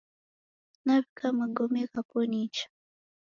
Nawika magome ghapo nicha